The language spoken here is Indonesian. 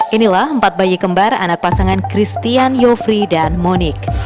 inilah empat bayi kembar anak pasangan christian yofri dan moniq